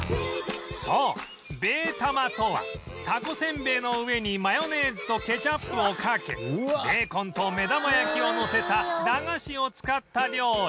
そうべー玉とはタコせんべいの上にマヨネーズとケチャップをかけベーコンと目玉焼きをのせた駄菓子を使った料理